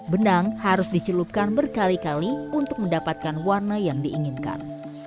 benang harus dicelupkan berkali kali untuk mendapatkan warna yang diinginkan